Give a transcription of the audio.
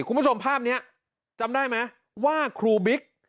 คุณผู้ชมภาพนี้จำได้ไหมว่าครูบิ๊ก